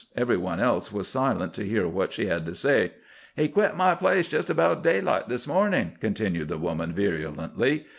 Every one else was silent to hear what she had to say. "He quit my place jest about daylight this morning," continued the woman virulently.